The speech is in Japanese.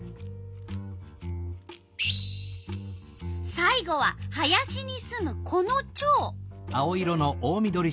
さい後は林にすむこのチョウ。